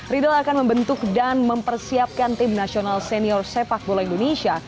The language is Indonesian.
riedel akan membentuk dan mempersiapkan tim nasional senior sepak bola indonesia